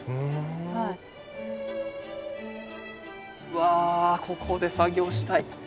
うわここで作業したい。